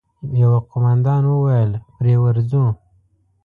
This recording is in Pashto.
يوه قوماندان وويل: پرې ورځو!